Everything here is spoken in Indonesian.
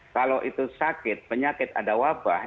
kalau itu sakit penyakit ada wabah